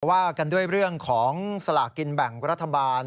ว่ากันด้วยเรื่องของสลากกินแบ่งรัฐบาล